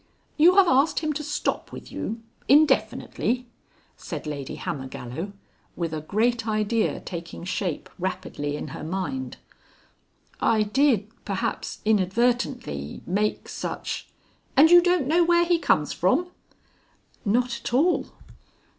"You have asked him to stop with you indefinitely?" said Lady Hammergallow with a Great Idea taking shape rapidly in her mind. "I did perhaps inadvertently make such " "And you don't know where he comes from?" "Not at all."